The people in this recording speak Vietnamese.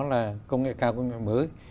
là công nghệ cao công nghệ mới